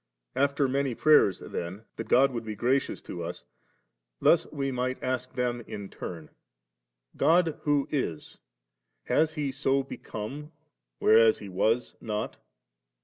After many prayers* then that God would be gracious to us, thus we might ask them in turn ;* God who is, has He so become, whereas He was not?